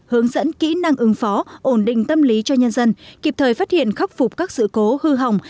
hướng dẫn kỹ năng ứng phó ổn định tâm lý cho nhân dân kịp thời phát hiện khắc phục các sự cố hư hỏng